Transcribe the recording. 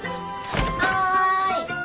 はい。